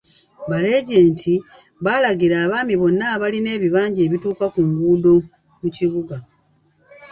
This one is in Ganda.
Baregent baalagira abaami bonna abalina ebibanja ebituuka ku nguudo mu Kibuga.